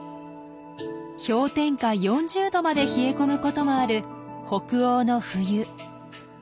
氷点下４０度まで冷え込むこともある北欧の冬。